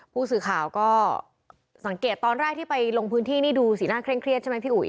ผู้สื่อข่าวก็สังเกตตอนแรกที่ไปลงพื้นที่นี่ดูสีหน้าเคร่งเครียดใช่ไหมพี่อุ๋ย